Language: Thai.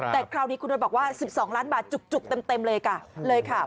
แต่คราวนี้คุณนวยบอกว่า๑๒ล้านบาทจุกเต็มเลยค่ะเลยค่ะ